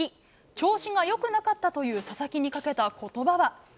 調子がよくなかったという佐々木にかけたことばは。